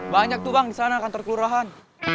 banyak tuh bang disana kantor kelurahan